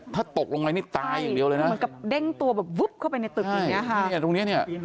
ถ้าตกลงไปนี่ตายอย่างเดียวเลยนะใช่มันก็เด้งตัวแบบวึ๊บเข้าไปในตึกอย่างนี้ค่ะ